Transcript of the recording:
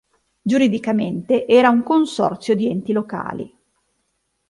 Giuridicamente era un consorzio di enti locali.